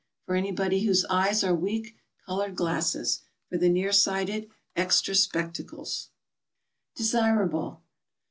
For anybody whose eyes are weak, colored glasses. For the near sighted, extra spectacles. DESIRABLE.